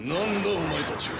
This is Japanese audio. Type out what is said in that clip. お前たちは。